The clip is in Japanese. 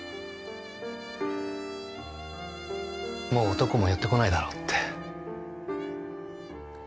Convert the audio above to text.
もう男も寄ってこないだろうって。